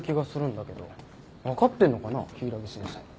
分かってんのかな柊木先生。